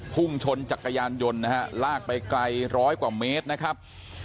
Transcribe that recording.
พุ่งชนจักรยานยนต์นะฮะลากไปไกลร้อยกว่าเมตรนะครับ